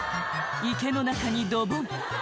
池の中にドボン